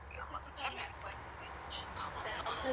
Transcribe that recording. Ba mama tu bebe mufano wa Julianne Lusenge